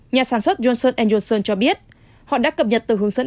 nhà sản xuất johnson cho biết họ đã cập nhật từ hướng dẫn